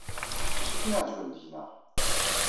D acu ay kem-iɛejben deg-neɣ?